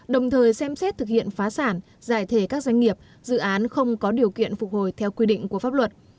đồng thời xem xét thực hiện phá sản giải thể các doanh nghiệp dự án không có điều kiện phục hồi theo quy định của pháp luật